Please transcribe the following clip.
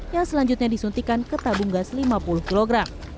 yang selanjutnya disuntikan ke tabung gas lima puluh kg